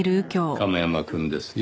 亀山くんですよ。